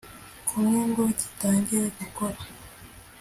kumwe ngo gitangire gukora